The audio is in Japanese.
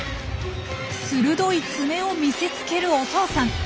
鋭い爪を見せつけるお父さん。